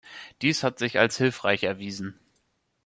Dies hat sich als hilfreich erwiesen.